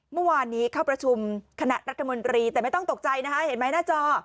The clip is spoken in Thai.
เมื่อวานนี้เข้าประชุมคณะรัฐมนตรีแต่ไม่ต้องตกใจนะคะเห็นไหมหน้าจอ